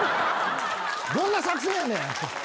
どんな作戦やねん。